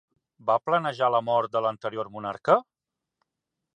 Va planejar la mort de l'anterior monarca?